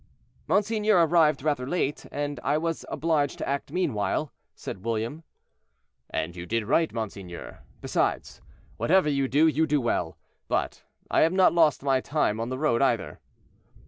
"Monseigneur arrived rather late, and I was obliged to act meanwhile," said William. "And you did right, monseigneur; besides, whatever you do, you do well. But I have not lost my time on the road, either."